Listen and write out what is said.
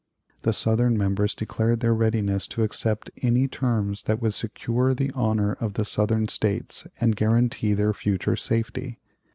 The Southern members declared their readiness to accept any terms that would secure the honor of the Southern States and guarantee their future safety.